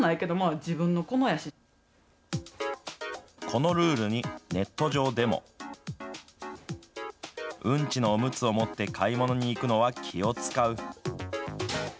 このルールにネット上でも。うんちのおむつを持って買い物に行くのは気を遣う。